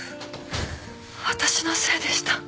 私のせいでした。